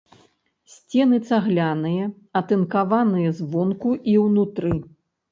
Сцены цагляныя, атынкаваныя звонку і ўнутры.